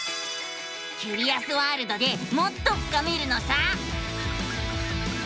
キュリアスワールドでもっと深めるのさ！